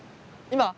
今？